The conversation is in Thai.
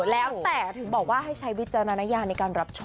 แล้วแต่ถึงบอกว่าให้ใช้วิจารณญาณในการรับชม